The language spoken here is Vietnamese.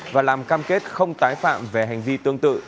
và làm cam kết không tái phạm về hành vi tương tự